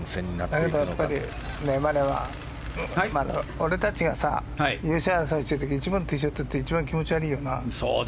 だけど、やっぱり丸俺たちが優勝争いをしている時１番のティーショットって一番気持ち悪いよな。